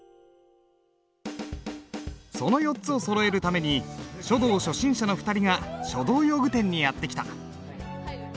その４つをそろえるために書道初心者の２人が書道用具店にやって来た。